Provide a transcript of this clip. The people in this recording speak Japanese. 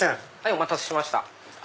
お待たせしました。